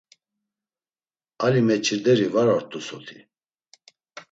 Ali meç̌irderi var ort̆u soti.